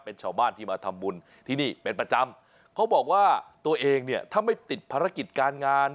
เป็นชาวบ้านที่มาทำบุญที่นี่เป็นประจำเขาบอกว่าตัวเองเนี่ยถ้าไม่ติดภารกิจการงาน